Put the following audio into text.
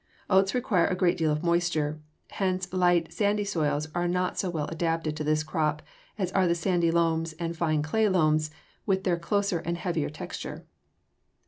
Oats require a great deal of moisture; hence light, sandy soils are not so well adapted to this crop as are the sandy loams and fine clay loams with their closer and heavier texture.